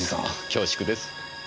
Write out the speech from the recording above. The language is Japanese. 恐縮です。